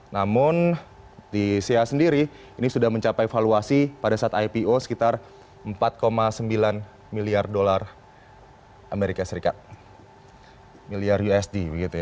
namun di sia sendiri ini sudah mencapai valuasi pada saat ipo sekitar empat sembilan miliar usd